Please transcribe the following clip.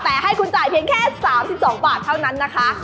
แต่ให้คุณจ่ายเพียงแค่๓๒บาทเท่านั้นนะคะ